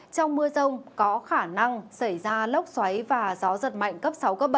trong mưa rông có khả năng xảy ra lốc xoáy và gió giật mạnh cấp sáu cấp bảy